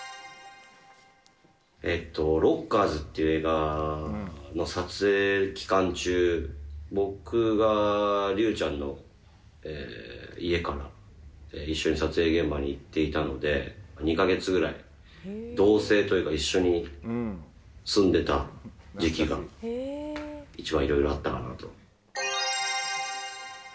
えっと、ロッカーズっていう映画の撮影期間中、僕は隆ちゃんの家から一緒に撮影現場に行っていたので、２か月ぐらい、同せいというか、一緒に住んでた時期が一番いろいろあったかなと。